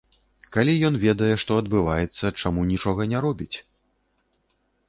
Калі ён ведае, што адбываецца, чаму нічога не робіць.